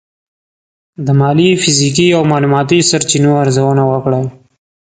د مالي، فزیکي او معلوماتي سرچینو ارزونه وکړئ.